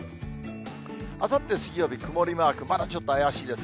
あさって水曜日曇りマーク、まだちょっと怪しいです。